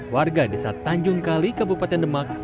warga desa tanjung kali kabupaten demak